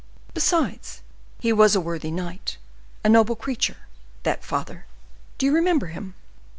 Besides, he was a worthy knight, a noble creature, that father; do you remember him?"